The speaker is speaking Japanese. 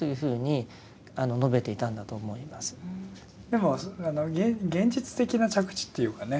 でも現実的な着地っていうかね。